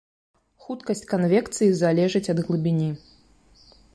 Хуткасць канвекцыі залежыць ад глыбіні.